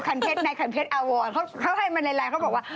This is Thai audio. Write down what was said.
คันเพชรไนท์คันเพชรอวอลเขาให้มันในไลน์เขาบอกว่า